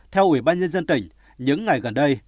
theo ủy ban nhân dân tỉnh những ngày gần đây